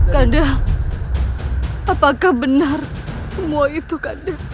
kanda apakah benar semua itu kanda